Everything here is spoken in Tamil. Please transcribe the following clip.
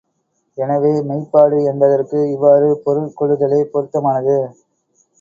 எனவே, மெய்ப்பாடு என்பதற்கு இவ்வாறு பொருள் கொள்ளுதலே பொருத்தமானது.